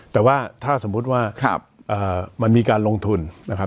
แต่ว่าถ้าสมมุติว่ามันมีการลงทุนนะครับ